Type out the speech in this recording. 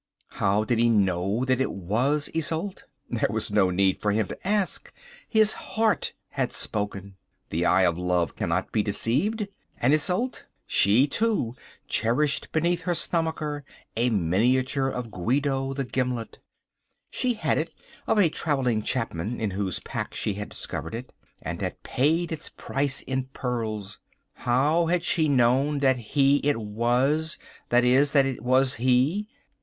How did he know that it was Isolde? There was no need for him to ask. His heart had spoken. The eye of love cannot be deceived. And Isolde? She, too, cherished beneath her stomacher a miniature of Guido the Gimlet. She had it of a travelling chapman in whose pack she had discovered it, and had paid its price in pearls. How had she known that he it was, that is, that it was he?